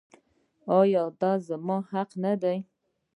آیا دا زموږ حق نه دی؟